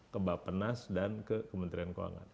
ke mbak penas dan ke kementerian keuangan